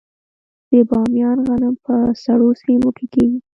د بامیان غنم په سړو سیمو کې کیږي.